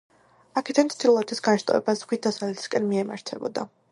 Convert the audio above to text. აქედან ჩრდილოეთის განშტოება ზღვით დასავლეთისაკენ მიემართებოდა.